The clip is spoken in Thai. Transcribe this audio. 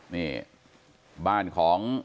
นี่บ้านของ